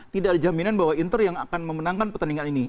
tidak ada jaminan bahwa inter yang akan memenangkan pertandingan ini